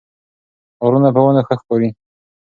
غرونه په ونو ښه ښکاري